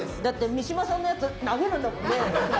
だって三島さんのやつ投げるんだもんね。